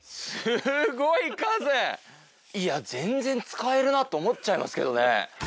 いや全然使えるなって思っちゃいますけどね。